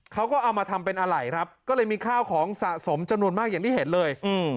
เขาก็เอามาทำเป็นอะไรครับก็เลยมีข้าวของสะสมจำนวนมากอย่างที่เห็นเลยอืม